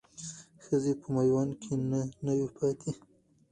ښځې په میوند کې نه وې پاتې.